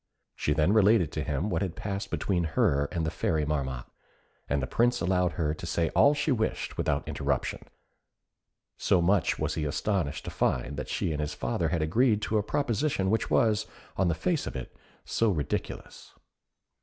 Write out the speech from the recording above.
She then related to him what had passed between her and the Fairy Marmotte, and the Prince allowed her to say all she wished without interruption, so much was he astonished to find that she and his father had agreed to a proposition which was, on the face of it, so ridiculous.